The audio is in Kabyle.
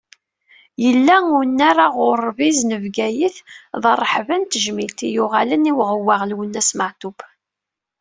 Yella unnar aɣurbiz n Bgayet, d rreḥba n tejmilt i yuɣalen i uɣewwaɣ Lwennas Meɛtub.